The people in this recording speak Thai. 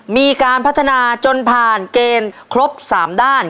มีการพัฒนาจนผ่านเกณฑ์ครบ๓ด้าน